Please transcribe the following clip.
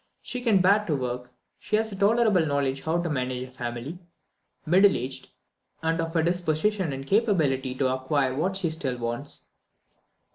She can bear to work; she has a tolerable knowledge how to manage a family; middle aged, and of a disposition and capability to acquire what she still wants.